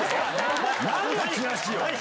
何のチラシよ